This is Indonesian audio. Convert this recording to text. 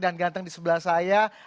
dan ganteng di sebelah saya